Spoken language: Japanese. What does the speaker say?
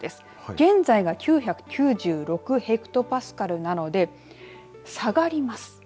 現在が９９６ヘクトパスカルなので下がります。